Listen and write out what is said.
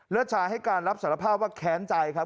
ชายให้การรับสารภาพว่าแค้นใจครับ